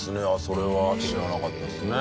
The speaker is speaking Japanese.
それは知らなかったですね。